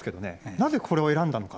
なぜこれを選んだのか。